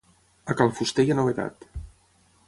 A cal fuster hi ha novetat.